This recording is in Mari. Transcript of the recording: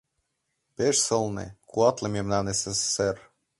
Пеш сылне, куатле мемнан СССР